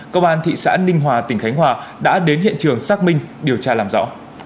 công an thị xã ninh hòa tỉnh khánh hòa đã đến hiện trường xác minh điều tra làm rõ